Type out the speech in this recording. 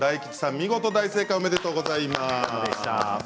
見事大正解おめでとうございます。